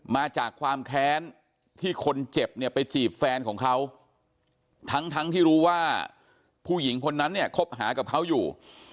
มาจากความแค้นที่คนเจ็บเนี่ยไปจีบแฟนของเขาทั้งทั้งที่รู้ว่าผู้หญิงคนนั้นเนี่ยคบหากับเขาอยู่